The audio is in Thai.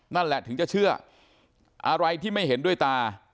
นั่นแหละถึงจะเชื่ออะไรที่ไม่เห็นด้วยตา